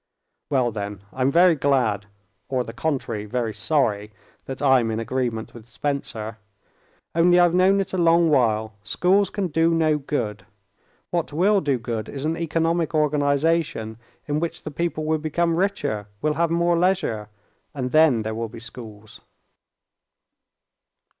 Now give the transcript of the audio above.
"Well, then, I'm very glad—or the contrary, very sorry, that I'm in agreement with Spencer; only I've known it a long while. Schools can do no good; what will do good is an economic organization in which the people will become richer, will have more leisure—and then there will be schools."